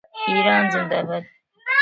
ایران زنده باد.